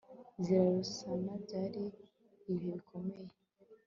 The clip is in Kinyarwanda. zirarusana byari ibihe bikomeye